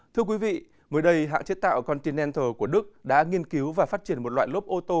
thưa quý vị mới đây hãng chế tạo continental của đức đã nghiên cứu và phát triển một loại lốp ô tô